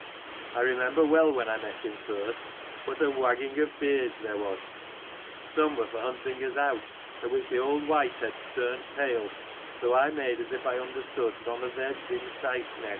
I remember well, when I met him first, what a wagging of beards there was. Some were for hunting us out, at which the old whiteheads turned pale, though I made as if I understood none of their dim satsnaeg.